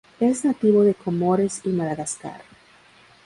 Es nativo de Comores y Madagascar.